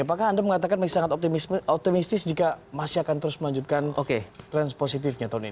apakah anda mengatakan masih sangat optimistis jika masih akan terus melanjutkan tren positifnya tahun ini